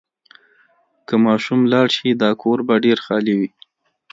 که ماشوم لاړ شي، دا کور به ډېر خالي وي.